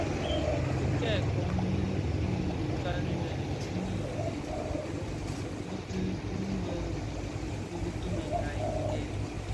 Ki kè kongi dhu kali lè duri ideň bituu bum bō dhubtèngai dikèè.